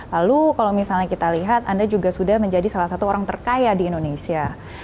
lalu kalau misalnya kita lihat anda juga sudah menjadi salah satu orang terkaya di indonesia